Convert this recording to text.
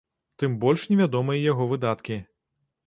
Тым больш невядомыя яго выдаткі.